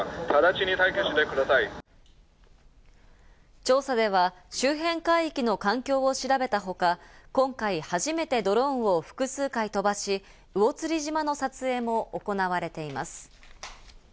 調査では周辺海域の環境を調べたほか、今回初めてドローンを複数回飛ばし、魚釣島の撮影も行われています。